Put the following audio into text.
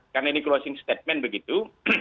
karena ini closing statement begitu